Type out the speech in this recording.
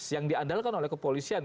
yang diandalkan oleh kepolisian